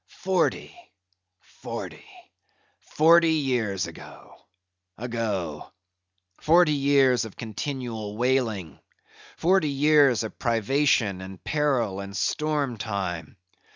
Forty—forty—forty years ago!—ago! Forty years of continual whaling! forty years of privation, and peril, and storm time!